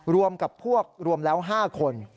รวมกับพวกรวมแล้ว๕คน